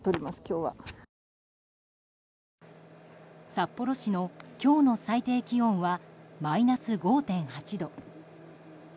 札幌市の今日の最低気温はマイナス５．８度。